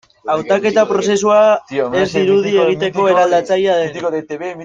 Hautaketa prozesua ez dirudi egiteko eraldatzailea denik.